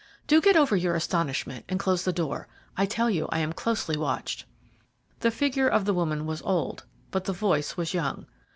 Do get over your astonishment, and close the door. I tell you I am closely watched." The figure of the woman was old, but the voice was young.